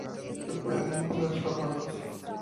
Se pueden usar fármacos.